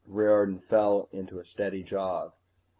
Riordan fell into a steady jog.